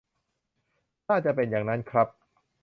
น่าจะเป็นอย่างนั้นครับ